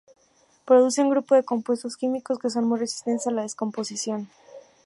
Produce un grupo de compuestos químicos que son muy resistentes a la descomposición.